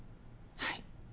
はい。